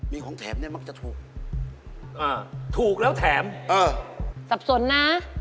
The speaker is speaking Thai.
มีของแถมเนี่ยมักจะถูกอ่าถูกแล้วแถมเออสับสนนะ